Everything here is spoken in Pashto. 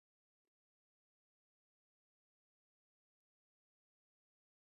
غول د انتاناتو په بڼه بدلیږي.